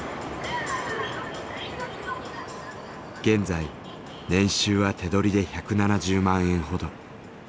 現在年収は手取りで１７０万円ほど。